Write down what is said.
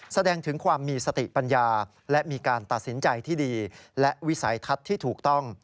แสดงถึงความมีสติปัญญาและมีการตัดสินใจที่ดีและวิสัยทัศน์ที่ถูกต้อง